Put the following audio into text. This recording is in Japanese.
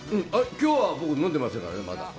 きょうは僕、飲んでませんからね、まだ。